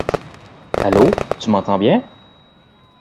Allo? Tu m'entends bien ?